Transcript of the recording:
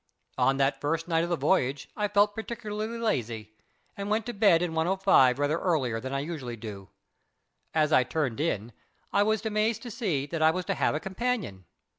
On that first night of the voyage I felt particularly lazy, and went to bed in 105 rather earlier than I usually do. As I turned in, I was amazed to see that I was to have a companion.